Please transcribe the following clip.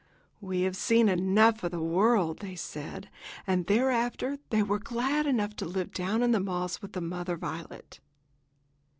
"We have seen enough of the world," they said, and thereafter they were glad enough to live down in the moss with the mother violet.